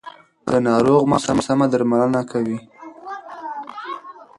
د ناروغ ماشوم سم درملنه کوي.